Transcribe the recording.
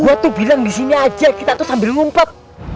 waktu bilang di sini saja kita tuh sambil ngumpet